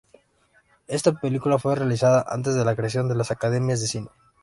Esta película fue realizada antes de la creación de las academias de cine.